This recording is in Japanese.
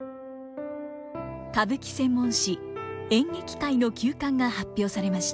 歌舞伎専門誌「演劇界」の休刊が発表されました。